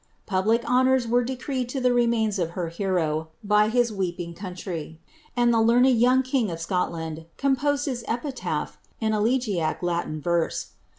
Public honours were decreed to the remains of her hero by his weeping counir} , and the learned young king of Scotland composed his epitaph in elegiac Latin verse.